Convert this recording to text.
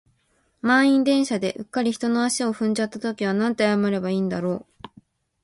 満員電車で、うっかり人の足を踏んじゃった時はなんて謝ればいいんだろう。